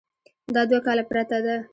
دا دوه کاله پرته ده.